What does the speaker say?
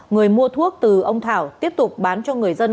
người mua thuốc từ ông thảo tiếp tục bán cho người dân